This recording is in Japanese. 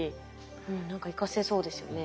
うん何か生かせそうですよね。